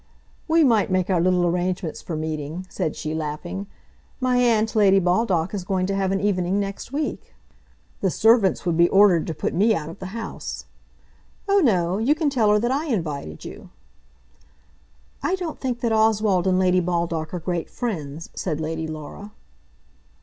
"We might make our little arrangements for meeting," said she, laughing. "My aunt, Lady Baldock, is going to have an evening next week." "The servants would be ordered to put me out of the house." "Oh no. You can tell her that I invited you." "I don't think that Oswald and Lady Baldock are great friends," said Lady Laura.